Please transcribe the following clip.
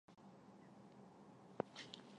三条线路到了市区共享同一段主干线路。